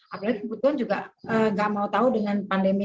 apalagi kebutuhan juga tidak mau tahu dengan pandemi